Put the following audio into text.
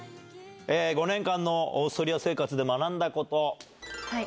５年間のオーストリアの生活で学んだこと。